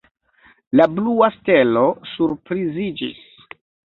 La blua stelo surpriziĝis.